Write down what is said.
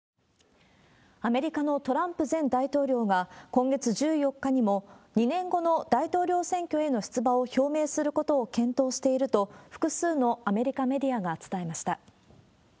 アメリカのトランプ前大統領が、今月１４日にも、２年後の大統領選挙への出馬を表明することを検討していると、複数のアメリカメディアが伝えました。